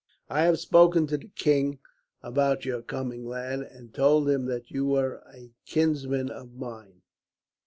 "I have spoken to the king about your coming, lad, and told him that you were a kinsman of mine.